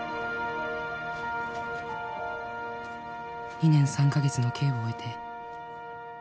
「２年３カ月の刑を終えて」